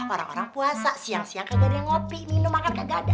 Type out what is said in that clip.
orang orang puasa siang siang kadang ngopi minum makan gak ada